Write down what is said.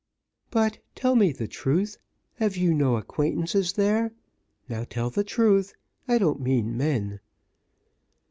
"But, tell me the truth, have you no acquaintances there? now, tell me the truth. I don't mean men."